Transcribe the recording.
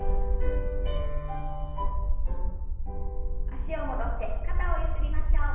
脚を戻して肩をゆすりましょう。